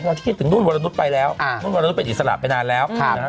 ที่คิดถึงนุ่นวรนุษย์ไปแล้วนุ่นวรนุษยเป็นอิสระไปนานแล้วนะฮะ